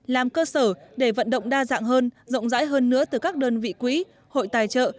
làm cơ sở để vận động đa dạng hơn rộng rãi hơn nữa từ các đơn vị quỹ hội tài trợ